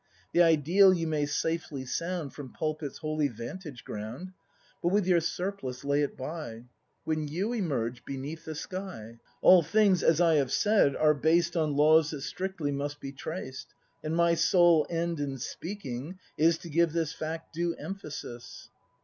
The Ideal you may safely sound From pulpit's holy vantage ground; But with your surplice lay it by, When you emerge beneath the sky. All things, as I have said, are based On laws that strictly must be traced. And my sole end in speaking is To give this fact due emphasis.